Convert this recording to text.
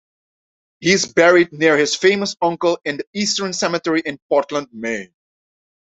He is buried near his famous uncle in the Eastern Cemetery in Portland, Maine.